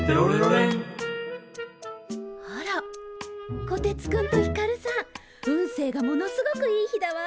あらコテツくんとひかるさん運勢がものすごくいい日だわ。